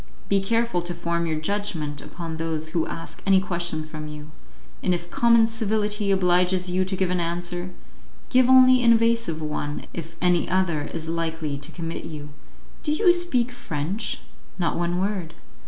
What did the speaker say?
Be careful to form your judgment upon those who ask any questions from you, and if common civility obliges you to give an answer, give only an evasive one, if any other is likely to commit you. Do you speak French?" "Not one word."